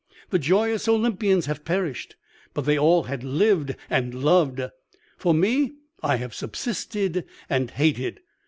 The joyous Olympians have perished, but they all had lived and loved. For me, I have subsisted and hated.